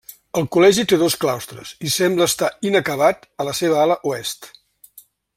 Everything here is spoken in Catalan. El col·legi té dos claustres i sembla estar inacabat a la seva ala oest.